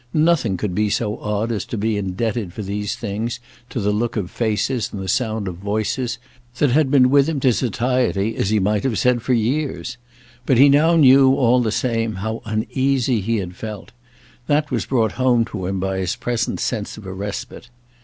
Nothing could be so odd as to be indebted for these things to the look of faces and the sound of voices that had been with him to satiety, as he might have said, for years; but he now knew, all the same, how uneasy he had felt; that was brought home to him by his present sense of a respite.